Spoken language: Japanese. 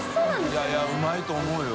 いやいやうまいと思うよ。